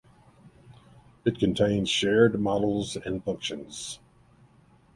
It contains shared models and functions